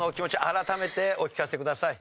改めてお聞かせください。